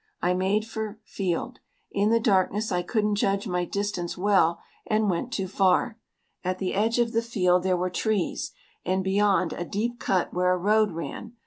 I made for field. In the darkness I couldn't judge my distance well, and went too far. At the edge of the field there were trees, and beyond, a deep cut where a road ran.